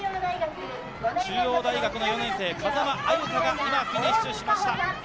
中央大学の４年生、風間歩佳が今、フィニッシュしました。